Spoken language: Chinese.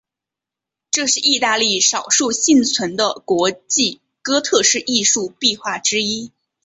这是意大利少数幸存的国际哥特式艺术壁画之一。